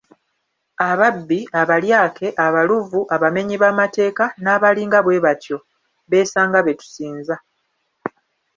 Ababbi, abalyake, abaluvu, abamenyi b'amateeka n'abalinga bwebatyo besanga betusinza.